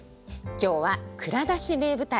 今日は「蔵出し！名舞台」。